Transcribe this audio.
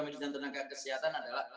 medis dan tenaga kesehatan adalah